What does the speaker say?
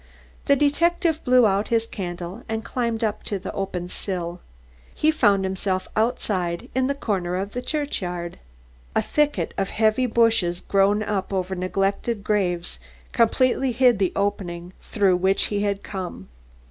The detective blew out his candle and climbed up onto the window sill. He found himself outside, in a corner of the churchyard. A thicket of heavy bushes grown up over neglected graves completely hid the opening through which he had come.